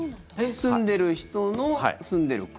住んでいる人の住んでいる区。